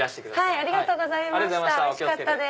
ありがとうございます。